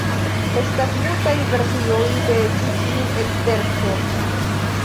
Estas multaj versioj de ĉi tiu ekzerco.